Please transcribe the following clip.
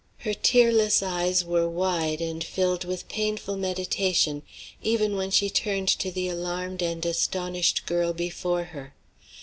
Her tearless eyes were wide and filled with painful meditation, even when she turned to the alarmed and astonished girl before her.